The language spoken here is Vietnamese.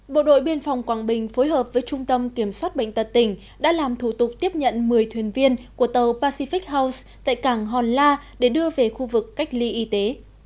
bộ đội biên phòng quảng bình phối hợp với trung tâm kiểm soát bệnh tật tỉnh đã làm thủ tục tiếp nhận một mươi thuyền viên của tàu pacific house tại cảng hòn la để đưa về khu vực cách ly y tế